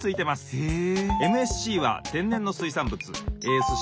へえ！